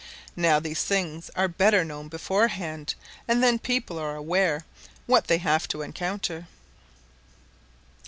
Now these things are better known beforehand, and then people are aware what they have to encounter.